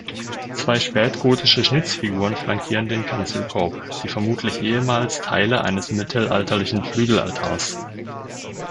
Zwei spätgotische Schnitzfiguren flankieren den Kanzelkorb, die vermutlich ehemals Teile eines mittelalterlichen Flügelaltars.